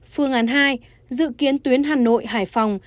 phương án hai dự kiến tuyến hà nội hải phòng